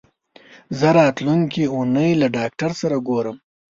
زه راتلونکې اونۍ له ډاکټر سره ګورم.